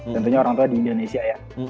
tentunya orang tua di indonesia ya